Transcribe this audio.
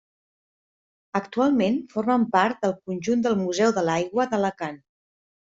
Actualment, formen part del conjunt del Museu de l'Aigua d'Alacant.